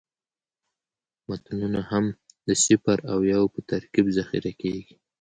متنونه هم د صفر او یو په ترکیب ذخیره کېږي.